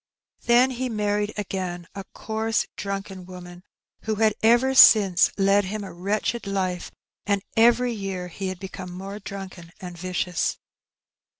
Then he married again, a coarse drunken woman, who had ever since led him a wretched life; and every year he had become more drunken and vicious.